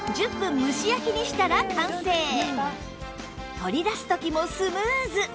取り出す時もスムーズ